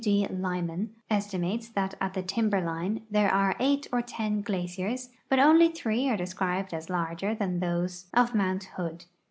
D. Lyman estimates that at the timber line there are 8 or 10 glaciers, but only 3 are described as larger than those of Mount Hood.